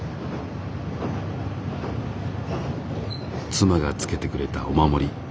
妻がつけてくれたお守り。